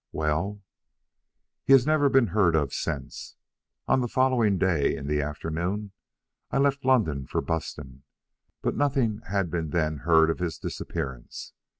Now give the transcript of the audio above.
"Well?" "He has never been heard of since. On the following day, in the afternoon, I left London for Buston; but nothing had been then heard of his disappearance.